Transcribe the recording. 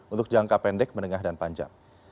untuk jangka pendek menengah dan panjang